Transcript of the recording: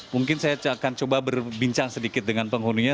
mungkin saya akan coba berbincang sedikit dengan penghuninya